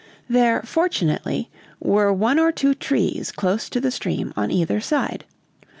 There fortunately were one or two trees close to the stream on either side.